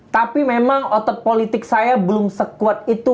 tapi memang otot politik saya belum sekuat itu